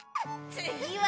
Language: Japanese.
つぎは！